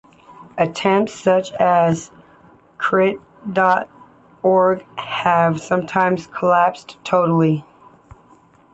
Attempts such as crit dot org have sometimes collapsed totally.